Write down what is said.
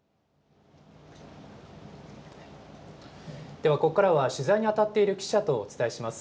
では、ここからは取材に当たっている記者とお伝えします。